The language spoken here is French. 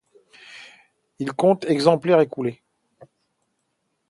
Il compte exemplaires écoulés.